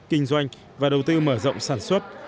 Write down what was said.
kinh doanh và đầu tư mở rộng sản xuất